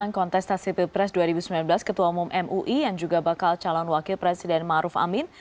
dan kontestasi pilpres dua ribu sembilan belas ketua umum mui yang juga bakal calon wakil presiden maruf amin